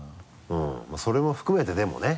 それも含めてでもね